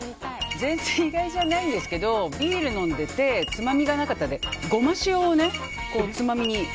全然、意外じゃないんですけどビール飲んでてつまみがなかったのでごま塩をつまみに。